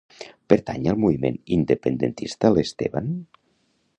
Pertany al moviment independentista l'Esteban?